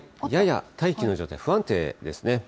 やや大気の状態、不安定ですね。